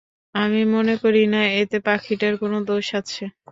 আমি মনে করি না এতে পাখিটার কোনো দোষ আছে।